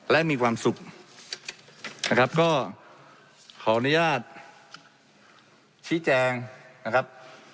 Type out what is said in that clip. และมีความสุขนะครับก็ขออนุญาตชี้แจงนะครับ